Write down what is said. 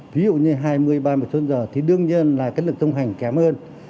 ví dụ như hai mươi ba mươi kmh thì đương nhiên là lực thông hành kém hơn